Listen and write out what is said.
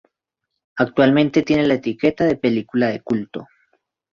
Actualmente tiene la etiqueta de película de culto.